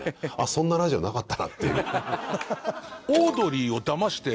そんなラジオなかったなっていう。